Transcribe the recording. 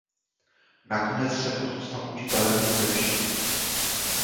Nakonec se proto stal učitelem nizozemštiny.